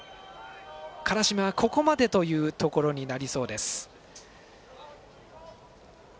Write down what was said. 辛島、ここまでというところになりそうです。